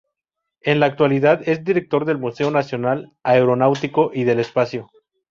En la actualidad es Director del Museo Nacional Aeronáutico y del Espacio.